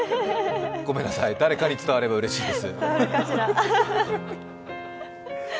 ごめんなさい、誰かに伝わればうれしいです。